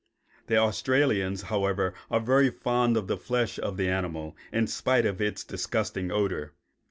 The Australians, however, are very fond of the flesh of the animal in spite of its disgusting odor.